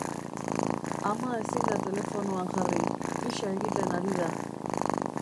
Ama ezin da telefonoan jarri, pixa egiten ari da.